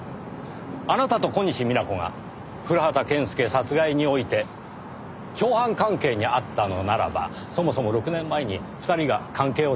あなたと小西皆子が古畑健介殺害において共犯関係にあったのならばそもそも６年前に２人が関係を断ち切る必要はなかった。